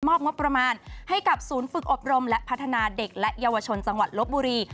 งบประมาณให้กับศูนย์ฝึกอบรมและพัฒนาเด็กและเยาวชนจังหวัดลบบุรี